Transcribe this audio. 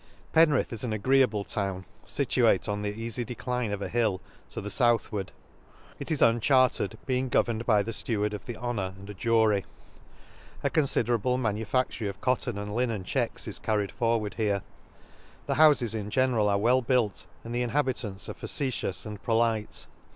j» Penrith is &n agreeable town, fituate on the eafy decline of a hill, to the fouth i ward ;— it is unchartered , being governed by the Steward of the Honor, and a Jury. — A considerable manufactory of cotton and linen checks is carried forward here. —The houfes in general are well built^ and the inhabitants are facetious and po * lite.